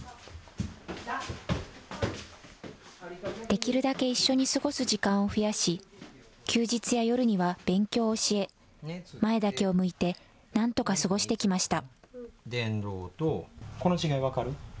できるだけ一緒に過ごす時間を増やし、休日や夜には勉強を教え、前だけを向いて、なんとか過ごしてきました。